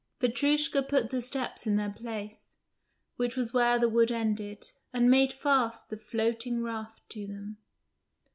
Petrushka put the steps in their place which was where the wood ended and made fast the floating raft to them.